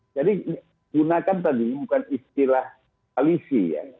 jadi gunakan tadi bukan istilah alisi